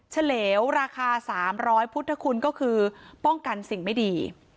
เฉลวราคา๓๐๐พุทธคุณก็คือป้องกันสิ่งไม่ดี